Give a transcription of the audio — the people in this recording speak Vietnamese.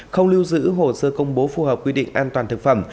không lưu giữ hồ sơ công bố phù hợp quy định an toàn thực phẩm